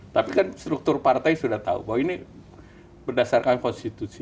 tapi kan struktur partai sudah tahu bahwa ini berdasarkan konstitusi